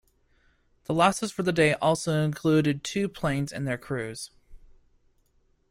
The losses for the day also included two planes and their crews.